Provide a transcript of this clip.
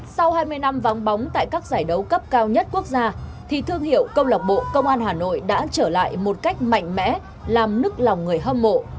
sau hai mươi năm vắng bóng tại các giải đấu cấp cao nhất quốc gia thì thương hiệu công lạc bộ công an hà nội đã trở lại một cách mạnh mẽ làm nức lòng người hâm mộ